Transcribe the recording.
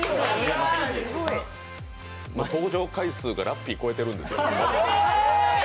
登場回数がラッピー超えてるんですよ。